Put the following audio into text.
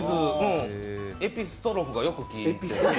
エピストロフがよく効いて。